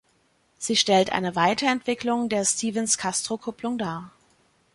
Sie stellt eine Weiterentwicklung der Stephens-Castro-Kupplung dar.